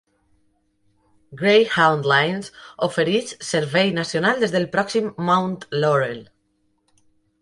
Greyhound Lines ofereix servei nacional des del pròxim Mount Laurel.